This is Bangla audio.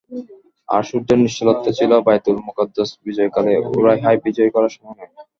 আর সূর্যের নিশ্চলতা ছিল বায়তুল মুকাদ্দাস বিজয়কালে, উরায়হা বিজয় করার সময় নয়।